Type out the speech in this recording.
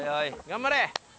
頑張れ！